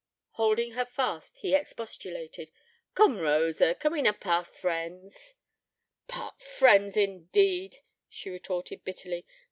Holding her fast, he expostulated: 'Coom, Rosa, can we na part friends?' 'Part friends, indeed,' she retorted bitterly.